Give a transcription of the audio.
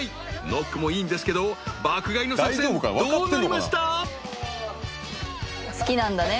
ノックもいいんですけど爆買いの作戦どうなりました？］